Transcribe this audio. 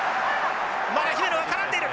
姫野が絡んでいる！